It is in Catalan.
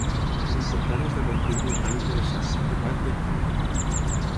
L'important és de mantenir el ca interessat, ocupat i actiu.